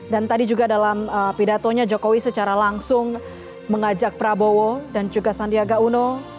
dan tadi juga dalam pidatonya jokowi secara langsung mengajak prabowo dan juga sandiaga uno